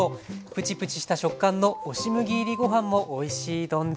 プチプチした食感の押し麦入りご飯もおいしい丼です。